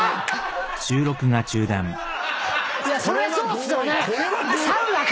そりゃそうっすよね！